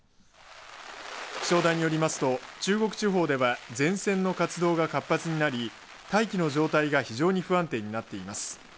気象台によりますと中国地方では前線の活動が活発になり大気の状態が非常に不安定になっています。